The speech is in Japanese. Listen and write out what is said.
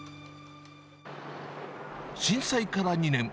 震災から２年。